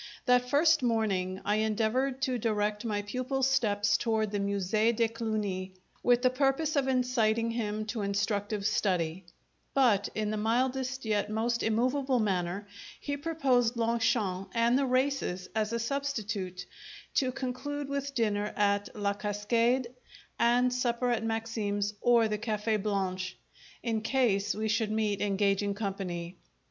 That first morning I endeavoured to direct my pupil's steps toward the Musee de Cluny, with the purpose of inciting him to instructive study; but in the mildest, yet most immovable manner, he proposed Longchamps and the races as a substitute, to conclude with dinner at La Cascade and supper at Maxim's or the Cafe' Blanche, in case we should meet engaging company.